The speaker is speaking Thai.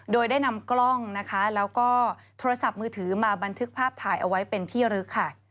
โดยได้นำกล้องนะคะแล้วก็โทรศัพท์มือถือมาบันทึกภาพถ่ายเอาไว้เป็นที่รึกค่ะ